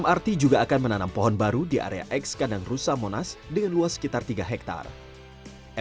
mrt juga akan menanam pohon baru di area eks kandang rusa monas dengan luas sekitar tiga hektare